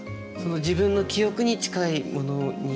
自分の記憶に近いものに。